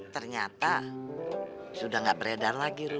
ternyata sudah gak beredar lagi rum